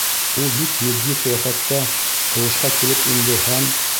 Ул бик етди ҡиәфәттә ҡыуышҡа килеп инде һәм: